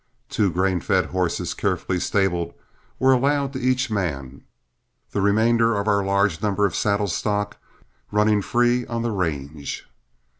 Two grain fed horses, carefully stabled, were allowed to each man, the remainder of our large number of saddle stock running free on the range.